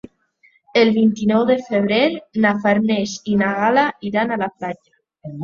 El vint-i-nou de febrer na Farners i na Gal·la iran a la platja.